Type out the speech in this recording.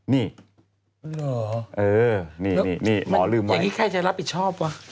อย่างนี้ใครจะรับผิดชอบวะ